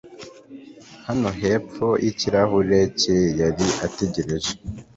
naho hepfo yikirahure cye yari ategereje